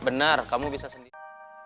benar kamu bisa sendiri